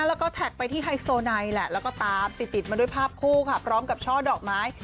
แล้วก็แท็กไปที่ไฮโซไนแหละแล้วก็ตามติดติดมาด้วยภาพคู่ค่ะพร้อมกับช่อดอกไม้